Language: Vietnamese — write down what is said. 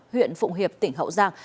huyện phụng hiệp tỉnh hậu giang